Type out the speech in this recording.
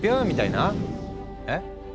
みたいなえ？